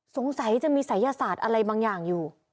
สงสัยจะมีศัยศาสตร์อะไรบางอย่างอยู่